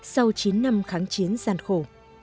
sau chín năm kháng chiến gian khổ